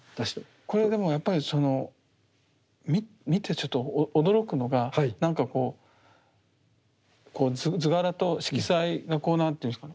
これでもやっぱりその見てちょっと驚くのがなんかこう図柄と色彩がこう何ていうんですかね。